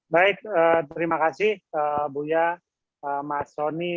baik terima kasih buya mas soni